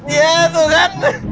iya tuh kan